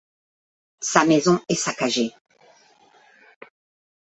Sa maison est saccagée.